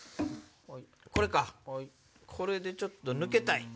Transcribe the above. これかこれでちょっと抜けたい！